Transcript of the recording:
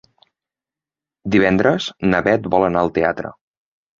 Divendres na Bet vol anar al teatre.